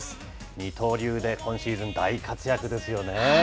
二刀流で今シーズン、大活躍ですよね。